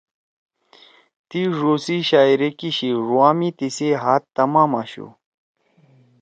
تی ڙو سی شاعری کیِشی۔ ڙوا می تیِسی ہات تمام آشُو۔